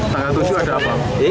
tanggal tujuh ada apa